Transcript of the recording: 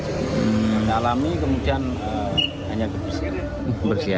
pantai alami kemudian hanya kebersihan